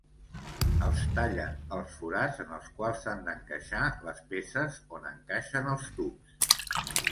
Els tallen els forats en els quals s'han d'encaixar les peces on encaixen els tubs.